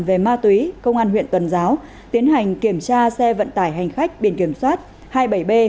về ma túy công an huyện tuần giáo tiến hành kiểm tra xe vận tải hành khách biển kiểm soát hai mươi bảy b một trăm sáu mươi ba